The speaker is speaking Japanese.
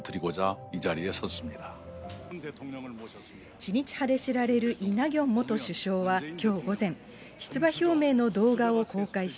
知日派で知られるイ・ナギョン元首相はきょう午前、出馬表明の動画を公開し、